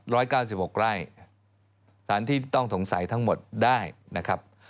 ๑๙๖ไร่สถานที่ต้องสงสัยทั้งหมดได้นะครับ